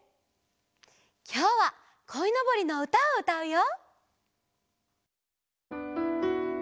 きょうは「こいのぼり」のうたをうたうよ！